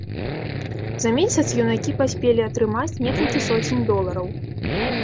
За месяц юнакі паспелі атрымаць некалькі соцень долараў.